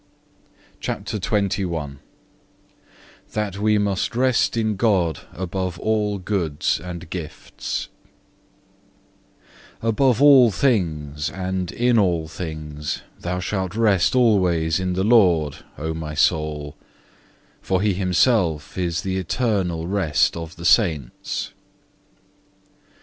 CHAPTER XXI That we must rest in God above all goods and gifts Above all things and in all things thou shalt rest alway in the Lord, O my soul, for he himself is the eternal rest of the saints.